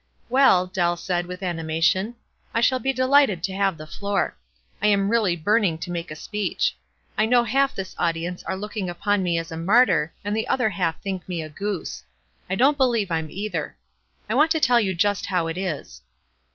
" Well," Dell said, with animation ," I shall be delighted to have the floor. I am really burn WISE AND OTHERWISE. 217 ing to make a speech. I know half this audience are looking upon me as a martyr, and the other half think me a goose. I don't believe I'm either. I want to tell you just how it is.